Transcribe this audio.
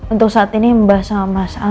untuk saat ini membahas sama mas al